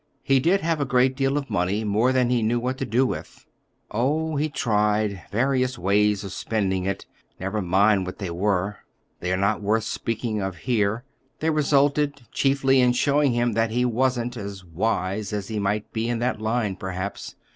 He did have a great deal of money—more than he knew what to do with. Oh, he tried—various ways of spending it. Never mind what they were. They are not worth speaking of here. They resulted, chiefly, in showing him that he wasn't—as wise as he might be in that line, perhaps."